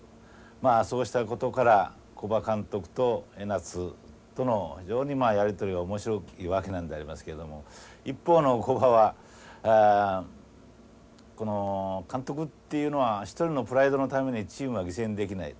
まあそうしたことから古葉監督と江夏との非常にやり取りが面白いわけなんでありますけれども一方の古葉はこの監督っていうのは１人のプライドのためにチームは犠牲にできない。